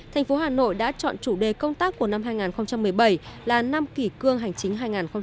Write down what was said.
thành phố hà nội đã chọn chủ đề công tác của năm hai nghìn một mươi bảy là năm kỷ cương hành chính hai nghìn một mươi tám